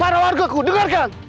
para warga ku dengarkan